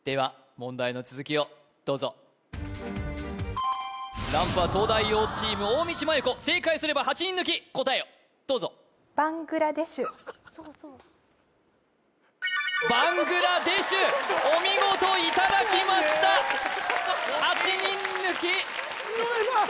問題の続きをどうぞランプは東大王チーム大道麻優子正解すれば８人抜き答えをどうぞバングラデシュお見事いただきました井上さん